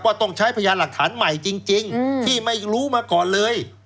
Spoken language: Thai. ต้องใช้พยานหลักฐานใหม่จริงที่ไม่รู้มาก่อนเลย